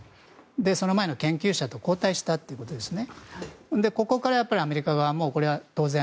その前の研究者と交代したということですね。